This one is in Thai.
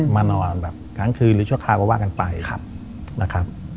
มานอนแบบกลางคืนหรือชั่วคราวก็ว่ากันไปนะครับ